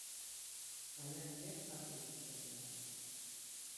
Kalean ere asko ikusten dira.